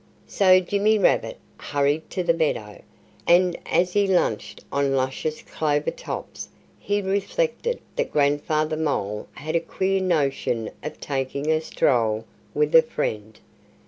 So Jimmy Rabbit hurried to the meadow. And as he lunched on luscious clover tops he reflected that Grandfather Mole had a queer notion of taking a stroll with a friend.